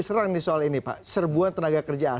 jadi ini sebenarnya